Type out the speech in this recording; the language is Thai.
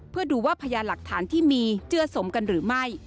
เพื่อดูว่าพยานหลักฐานที่มีเจื้อสมกันหรือไม่